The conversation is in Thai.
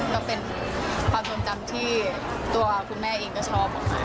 ก็เป็นความทรงจำที่ตัวคุณแม่เองก็ชอบออกมา